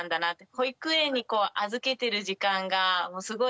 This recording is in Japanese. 保育園に預けてる時間がすごい